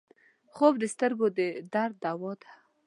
خوب د سترګو د درد دوا ده